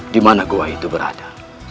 dimana gua itu berada